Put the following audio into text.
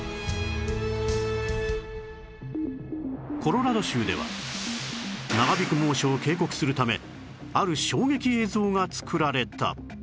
コロラド州では長引く猛暑を警告するためある衝撃映像が作られた